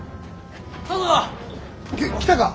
殿！き来たか！